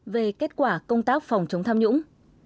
về kết quả công tác phòng chống tham nhũng